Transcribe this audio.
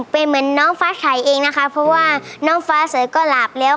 เป็นเหมือนน้องฟ้าไข่เองนะคะเพราะว่าน้องฟ้าเสยก็หลาบแล้ว